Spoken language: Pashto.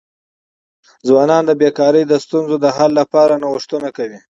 ځوانان د بېکاری د ستونزو د حل لپاره نوښتونه کوي.